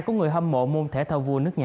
của người hâm mộ môn thể thao vua nước nhà